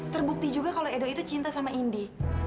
terbukti juga kalau edo itu cinta sama indi